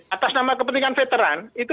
atas nama kepentingan veteran itu